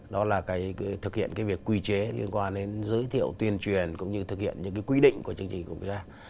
đó là thực hiện cái việc quy chế liên quan đến giới thiệu tuyên truyền cũng như thực hiện những cái quy định của chương trình của quốc gia